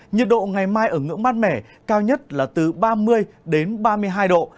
nhiệt độ ngày mai ở ngưỡng mát mẻ cao nhất là từ ba mươi đến ba mươi hai độ